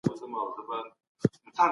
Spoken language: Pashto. د حکومت اداره کول تر ټولو سخته دنده وه.